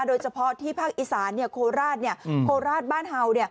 โดยเฉพาะที่ภาคอีสานโคราชโคราชบ้านเห่า